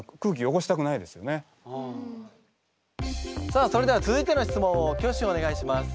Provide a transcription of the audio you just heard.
さあそれでは続いての質問を挙手お願いします。